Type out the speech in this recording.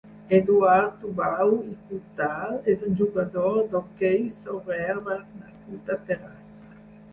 Eduard Tubau i Cutal és un jugador d'hoquei sobre herba nascut a Terrassa.